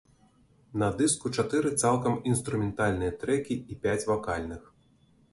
На дыску чатыры цалкам інструментальныя трэкі і пяць вакальных.